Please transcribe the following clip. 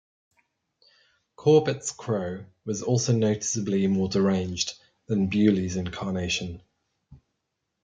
Corbett's Crow was also noticeably more deranged than Beaulieu's incarnation.